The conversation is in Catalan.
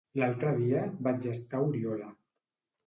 L'altre dia vaig estar a Oriola.